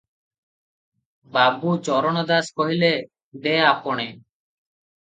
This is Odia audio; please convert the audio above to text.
ବାବୁ ଚରଣ ଦାସ କହିଲେ-ଦେ ଆପଣେ!